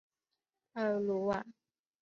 帕尔鲁瓦。